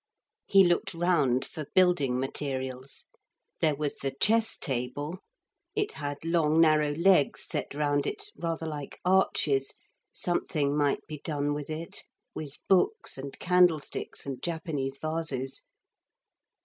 He looked round for building materials. There was the chess table. It had long narrow legs set round it, rather like arches. Something might be done with it, with books and candlesticks and Japanese vases.